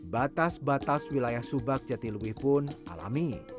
batas batas wilayah subak jatiluwih pun alami